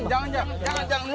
jangan jangan jangan